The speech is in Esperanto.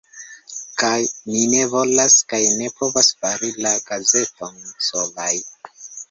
Kaj ni ne volas, kaj ne povas fari la gazeton solaj.